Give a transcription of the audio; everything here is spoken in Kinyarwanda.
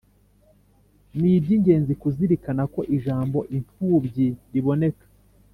Ni iby ingenzi kuzirikana ko ijambo imfubyi riboneka